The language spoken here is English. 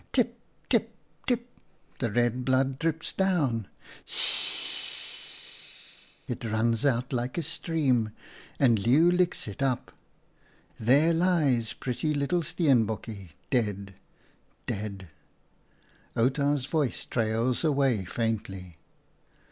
Tip, tip, tip, the red blood drips down ; s s s s s, it runs out like a stream, and Leeuw licks it up. There lies pretty little Steenbokje, dead, dead." Outa's voice trails away faintly.